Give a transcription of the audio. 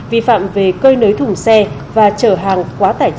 vi phạm về cơi nới thùng xe và chở hàng quá tải trọng quá khổ trên đường